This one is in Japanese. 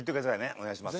お願いします。